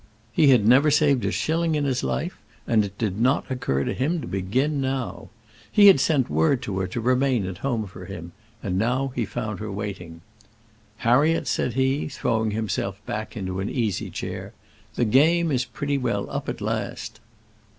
He had never saved a shilling in his life, and it did not occur to him to begin now. He had sent word to her to remain at home for him, and he now found her waiting. "Harriet," said he, throwing himself back into an easy chair, "the game is pretty well up at last."